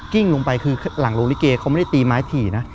กิ้งลงไปหลังโรงนิเกนะเขามันไม่ได้ตีไม้ถี่นะ